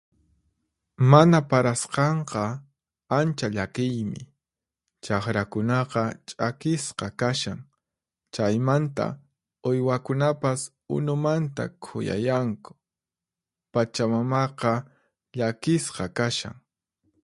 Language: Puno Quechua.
Mana parasqanqa ancha llakiymi. Chaqrakunaqa ch'akisqa kashan, chaymanta uywakunapas unumanta khuyayanku. Pachamamaqa llakisqa kashan.